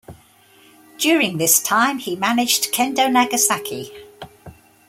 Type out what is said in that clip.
During this time he managed Kendo Nagasaki.